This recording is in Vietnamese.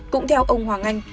cũng theo ông hoàng anh